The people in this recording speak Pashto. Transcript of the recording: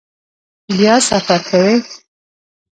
بیا سفر کوئ؟